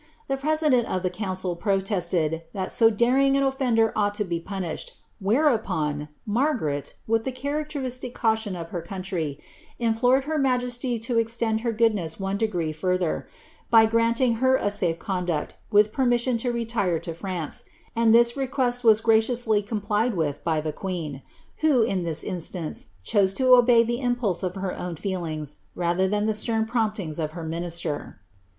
The president of the council protested that so daring an offender ought to be punished, whereupon, Margaret, with the charadei istic caution of her country, implored her majesty to extend her jopJ ness one degree further, by granting her a safe conduct, with pernii?sic>n to retire to France, and this request was graciously complied with bv the queen,' who, in this instance, chose to obey the impulse of her oirn feelings rather than the stern promptings of her minister.